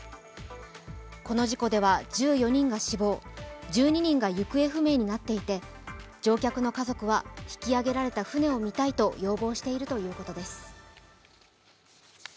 この事故では１４人が死亡、１２人が行方不明になっていて乗客の家族は引き揚げられた船を見たいと要望しているということです。